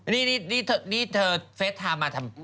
นี่นี่เธอเฟสทามมา